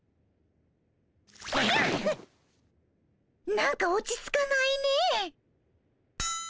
なんか落ち着かないね。